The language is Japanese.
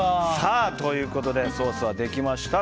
ということでソースはできました。